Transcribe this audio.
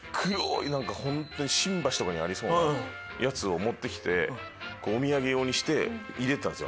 本当に新橋とかにありそうなやつ持ってきてお土産用にして入れてたんですよ。